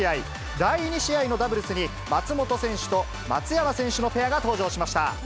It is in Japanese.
第２試合のダブルスに松本選手と松山選手のペアが登場しました。